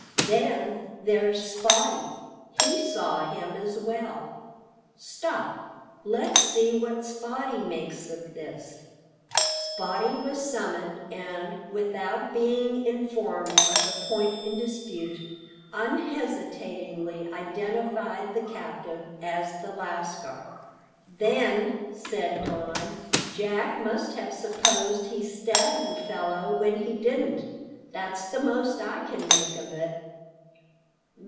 Then there's Spottie; he saw him as well. Stop! let's see what Spottie makes of this." Spottie was summoned, and, without being informed of the point in dispute, unhesitatingly identified the captive as the lascar. "Then," said Don, "Jack must have supposed he stabbed the fellow when he didn't; that's the most I can make of it."